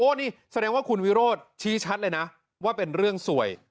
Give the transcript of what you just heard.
นี่แสดงว่าคุณวิโรธชี้ชัดเลยนะว่าเป็นเรื่องสวย